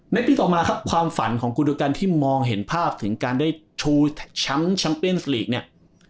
ในปีต่อมาครับความฝันของกูดูกันที่มองเห็นภาพถึงการได้ชูแชมป์แชมเปียนส์ลีกเนี่ย